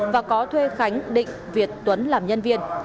và có thuê khánh định việt tuấn làm nhân viên